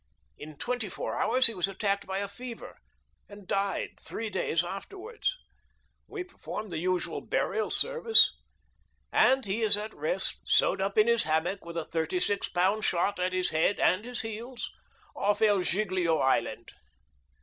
In twenty four hours he was attacked by a fever, and died three days afterwards. We performed the usual burial service, and he is at his rest, sewn up in his hammock with a thirty six pound shot at his head and his heels, off El Giglio island.